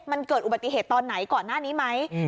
มันเกิดอุบัติเหตุตอนไหนก่อนหน้านี้ไหม